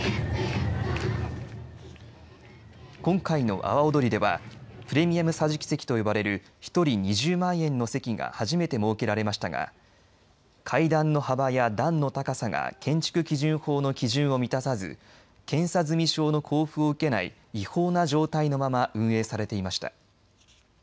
今回の阿波おどりではプレミアム桟敷席と呼ばれる１人２０万円の席が初めて設けられましたが階段の幅や段の高さが建築基準法の基準を満たさず検査済証の交付を受けない違法な状態のまま運営されていました。